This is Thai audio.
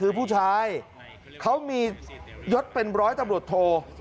คือผู้ชายเขามียศเป็นร้อยตำรวจโท